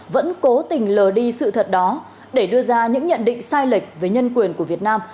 vẫn cố tình lờ đi sự thật đó để đưa ra những nhận định sai lệch về nhân quyền của việt nam